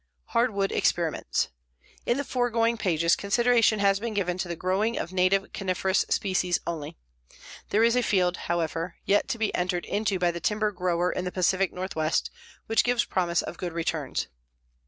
HARDWOOD EXPERIMENTS In the foregoing pages consideration has been given to the growing of native coniferous species only. There is a field, however, yet to be entered into by the timber grower in the Pacific Northwest, which gives promise of good returns.